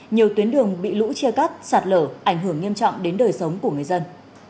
nhiều tuyến đường bị lũ chia cắt sạt lở ảnh hưởng nghiêm trọng đến đời sống của người dân